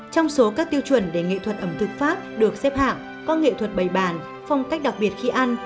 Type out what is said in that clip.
trong số các tiêu chuẩn để nghệ thuật ẩm thực pháp được xếp hạng có nghệ thuật bày bản phong cách đặc biệt khi ăn